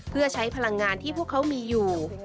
เพื่อใช้พลังงานที่พวกเขามีอยู่